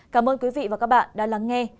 cảm ơn quý vị và các bạn đã lắng nghe